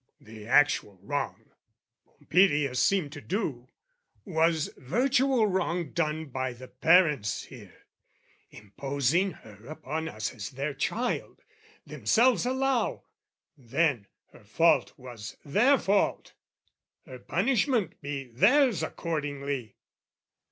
The actual wrong, Pompilia seemed to do, Was virtual wrong done by the parents here Imposing her upon us as their child Themselves allow: then, her fault was their fault, Her punishment be theirs accordingly!